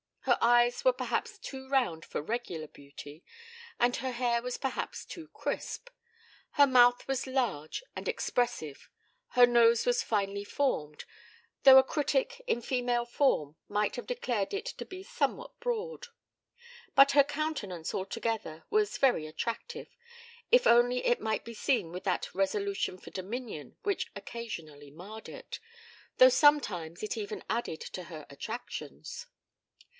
Her eyes were perhaps too round for regular beauty, and her hair was perhaps too crisp; her mouth was large and expressive; her nose was finely formed, though a critic in female form might have declared it to be somewhat broad. But her countenance altogether was very attractive if only it might be seen without that resolution for dominion which occasionally marred it, though sometimes it even added to her attractions.